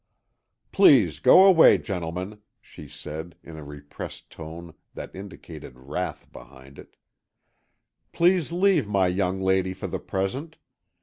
"Please to go away, gentlemen," she said, in a repressed tone that indicated wrath behind it. "Please leave my young lady for the present.